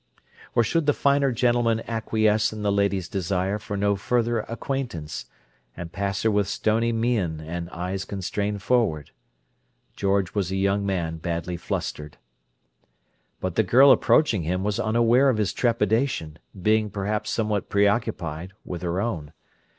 Or should the finer gentleman acquiesce in the lady's desire for no further acquaintance, and pass her with stony mien and eyes constrained forward? George was a young man badly flustered. But the girl approaching him was unaware of his trepidation, being perhaps somewhat preoccupied with her own.